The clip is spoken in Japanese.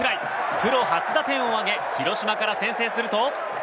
プロ初打点を挙げ広島から先制すると。